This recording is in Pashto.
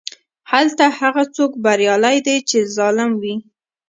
هلته هغه څوک بریالی دی چې ظالم وي.